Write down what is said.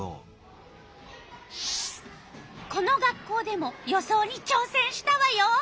この学校でも予想にちょうせんしたわよ。